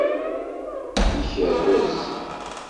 Ikerrez